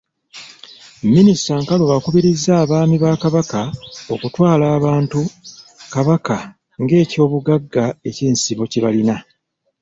Minisita Nkalubo akubirizza abaami ba Kabaka okutwala abantu Kabaka ng'ekyobugagga eky'ensibo kye balina.